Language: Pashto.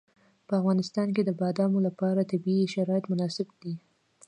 په افغانستان کې د بادامو لپاره طبیعي شرایط مناسب دي.